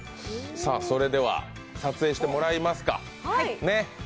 それでは撮影してもらいますか。